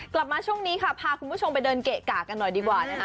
กลับมาช่วงนี้ค่ะพาคุณผู้ชมไปเดินเกะกะกันหน่อยดีกว่านะคะ